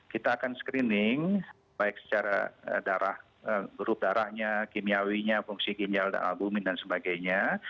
kita akan screening baik secara grup darahnya kimiawinya fungsi ginjal dan albumin dan sebagainya